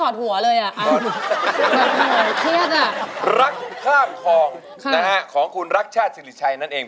รักข้ามคลองของคุณรักชาติศิริชัยนั่นเอง